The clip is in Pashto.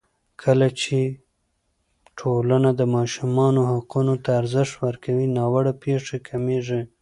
کله چې ټولنه د ماشومانو حقونو ته ارزښت ورکړي، ناوړه پېښې کمېږي.